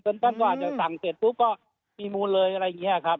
ท่านก็อาจจะสั่งเสร็จปุ๊บก็มีมูลเลยอะไรอย่างนี้ครับ